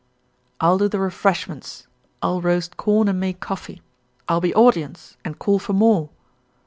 "I'll do the refreshments. I'll roast corn and make coffee. I'll be audience and call for more."